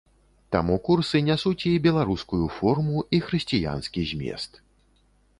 Таму курсы нясуць і беларускую форму і хрысціянскі змест.